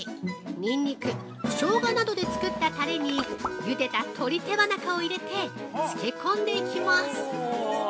にんにく、しょうがなどで作ったタレにゆでた鶏手羽中を入れて漬け込んでいきます。